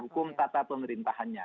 hukum tata pemerintahnya